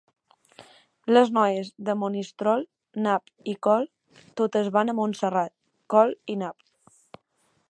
Les noies de Monistrol, nap i col, totes van a Montserrat, col i nap.